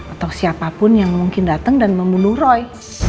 atau siapapun yang mungkin datang dan membunuh roy